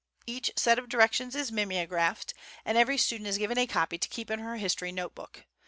Each set of directions is mimeographed, and every student given a copy to keep in her history notebook.